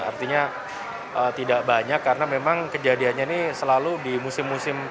artinya tidak banyak karena memang kejadiannya ini selalu di musim musim